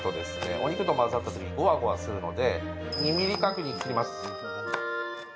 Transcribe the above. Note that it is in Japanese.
お肉と混ざったときにごわごわするので２ｍｍ角に切ります。